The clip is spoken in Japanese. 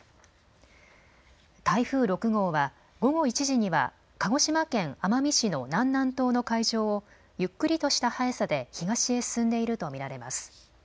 台風６号は午後１時には鹿児島県奄美市の南南東の海上をゆっくりとした速さで東へ進んでいると見られます。